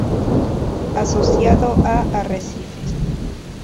Asociado a arrecifes.